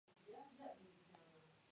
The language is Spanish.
Es nativo del sudeste de Brasil.